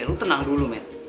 lo tenang dulu man